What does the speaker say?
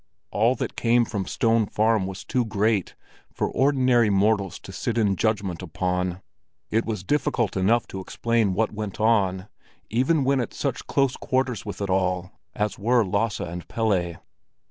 All that came from Stone Farm was too great for ordinary mortals to sit in judgment upon; it was difficult enough to explain what went on, even when at such close quarters with it all as were Lasse and Pelle.